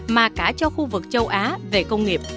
mà cả cho khu vực châu á về công nghiệp